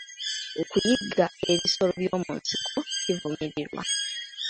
Okuyigga ebisolo by'omu nsiko kivumirirwa.